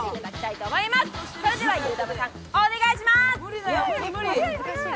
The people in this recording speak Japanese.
それではゆーだまさん、お願いします！